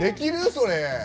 それ。